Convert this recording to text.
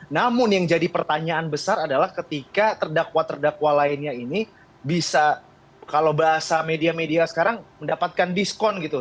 namun yang jadi pertanyaan besar adalah ketika terdakwa terdakwa lainnya ini bisa kalau bahasa media media sekarang mendapatkan diskon gitu